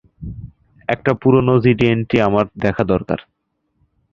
একটা পুরানো GD entry আমার দেখা দরকার।